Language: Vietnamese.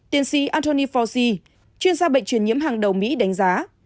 tiến sĩ anthony fauci chuyên gia bệnh truyền nhiễm hàng đầu mỹ đánh giá